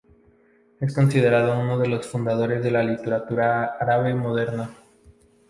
Es considerado uno de los fundadores de la literatura árabe moderna.